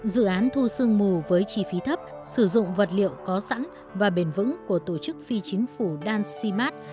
dự án thu sương mù với chi phí thấp sử dụng vật liệu có sẵn và bền vững của tổ chức phi chính phủ đansy mart